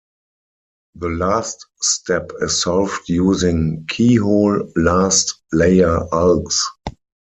The last step is solved using Keyhole last layer algs.